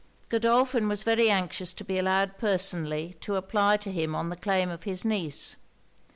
Godolphin was very anxious to be allowed personally to apply to him on the claim of his niece.